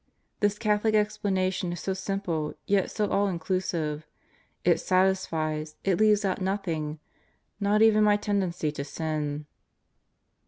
This Catholic explanation is so simple, yet so all inclusive. It satisfies. It leaves out nothing; not even my tendency to sin.